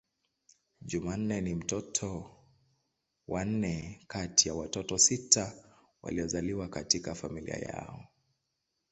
Jumanne ni mtoto wa nne kati ya watoto sita waliozaliwa katika familia yao.